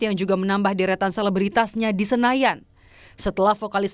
yang pakai tebub pun seperti watchdog dan kawasansan yang waktu waktu halus